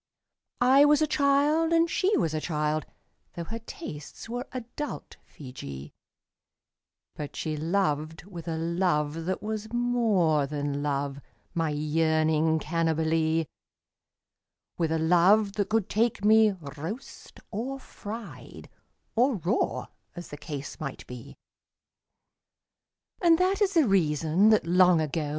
I was a child, and she was a child — Tho' her tastes were adult Feejee — But she loved with a love that was more than love, My yearning Cannibalee; With a love that could take me roast or fried Or raw, as the case might be. And that is the reason that long ago.